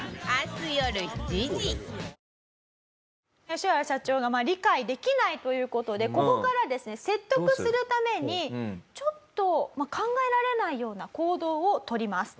ヨシワラ社長が理解できないという事でここからですね説得するためにちょっと考えられないような行動をとります。